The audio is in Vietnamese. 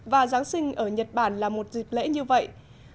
và giáng sinh ở nhật bản là một dịp lễ như vậy